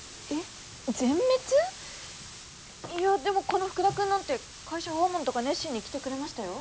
いやでもこの福田君なんて会社訪問とか熱心に来てくれましたよ。